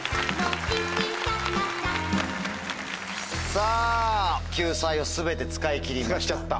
さぁ救済を全て使い切りました。